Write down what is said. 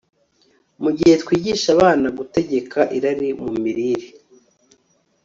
Mu gihe twigisha abana gutegeka irari mu mirire